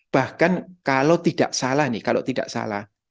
bahkan kalau tidak salah nih kalau tidak salah